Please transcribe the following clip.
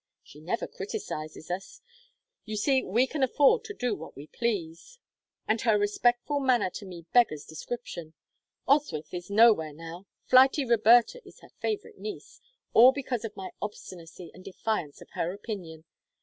She never criticises us you see we can afford to do what we please and her respectful manner to me beggars description. Oswyth is nowhere now; flighty Roberta is her favorite niece, all because of my obstinacy and defiance of her opinion!